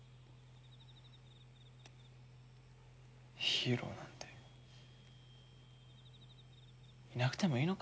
ヒーローなんていなくてもいいのかもな。